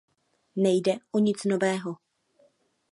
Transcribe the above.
Nejde o nic nového.